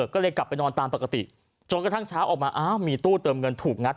ก็เลยกลับไปนอนตามปกติจนกระทั่งเช้าออกมาอ้าวมีตู้เติมเงินถูกงัด